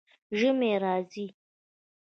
ژمی راځي